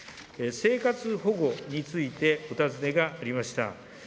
生活保護についてお尋ねがありました。